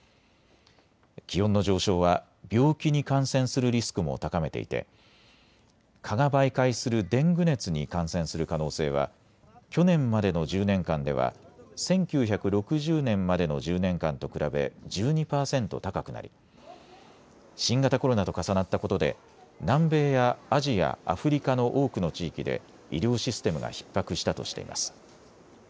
気温の上昇は病気に感染するリスクも高めていて蚊が媒介するデング熱に感染する可能性は去年までの１０年間では１９６０年までの１０年間と比べ１２％高くなり新型コロナと重なったことで南米やアジア、アフリカの多くの地域で医療システムがひっ迫したとしています。